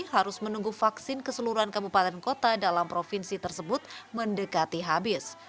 harus menunggu vaksin keseluruhan kabupaten kota dalam provinsi tersebut mendekati habis